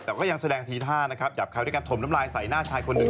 แต่ก็ยังแสดงถีท่านะครับจากการโถมรำลายใส้หน้าชายคนหนึ่ง